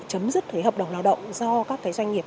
chấm dứt thuế hợp đồng lao động do các doanh nghiệp